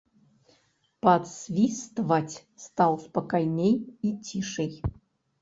Падсвістваць стаў спакайней і цішэй.